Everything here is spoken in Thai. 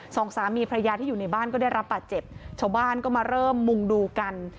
สองสามีพระยาที่อยู่ในบ้านก็ได้รับบาดเจ็บชาวบ้านก็มาเริ่มมุ่งดูกัน